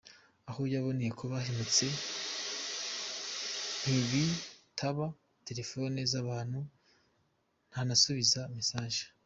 Aho baboneye ko bahemutse ntibitaba telefone z’abantu ntanasubize messages.